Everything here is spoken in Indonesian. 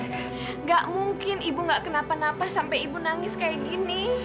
tidak mungkin ibu gak kenapa napa sampai ibu nangis kayak gini